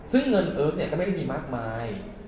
ซึ่งเงินเอิร์ฟเนี่ยก็ไม่ได้มีมากมาย